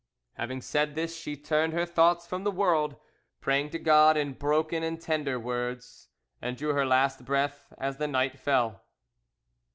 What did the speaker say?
Having said this, she turned her thoughts from the world, praying to God in broken and tender words, and drew her last breath as the night fell."